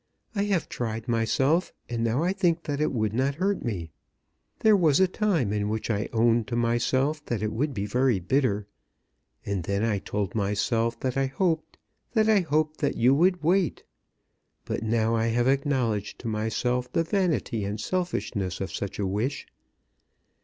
I have tried myself, and now I think that it would not hurt me. There was a time in which I owned to myself that it would be very bitter, and then I told myself, that I hoped, that I hoped that you would wait. But now, I have acknowledged to myself the vanity and selfishness of such a wish.